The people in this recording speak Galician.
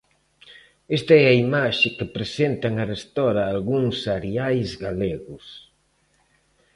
Esta é a imaxe que presentan arestora algúns areais galegos.